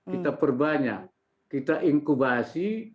kita perbanyak kita inkubasi